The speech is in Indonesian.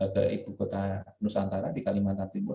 ke ibu kota nusantara di kalimantan timur